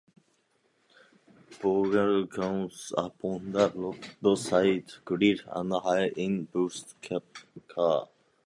Vogel comes upon the roadside grill and hides in the boot of Corey's car.